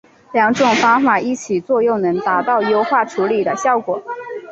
两种方法一起作用能达到优化处理的效果。